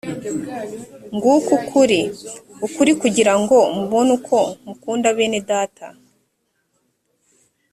nguko ukuri, ukuri kugira ngo mubone uko mukunda bene data